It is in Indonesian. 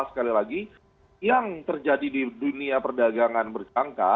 sekali lagi yang terjadi di dunia perdagangan bersangka